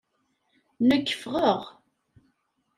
Nekk ffɣeɣ.